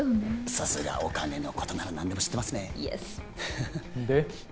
さすがお金のことなら何でも知ってますねイエスで？